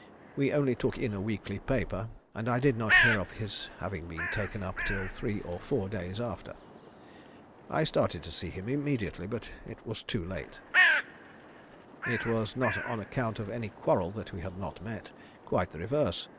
We only took in a weekly paper, and I did not hear of his having been taken up till three or four days after. I started to see him immediately, but was too late. It was not on account of any quarrel that we had not met. Quite the reverse.